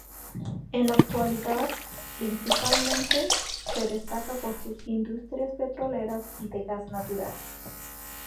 En la actualidad, principalmente, se destaca por sus industrias petroleras y de gas natural.